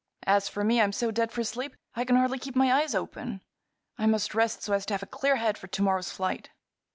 As for me, I'm so dead for sleep I can hardly keep my eyes open. I must rest, so as to have a clear head for to morrow's flight."